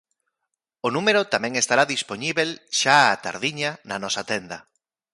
O número tamén estará dispoñíbel, xa á tardiña, na nosa tenda.